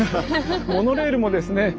モノレールもですね